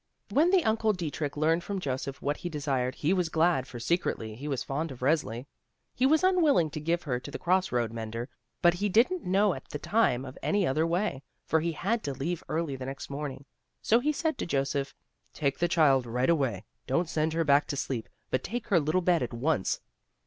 When the uncle Dietrich learned from Joseph what he desired, he was glad, for secretly he was fond of Resli. He was unwilling to give her to the cross road mender, but he didn't know at the time of any other way, for he had to leave early the next morning. So he said to Joseph: "Take the child right away. Don't send her back to sleep, but take her little bed at once."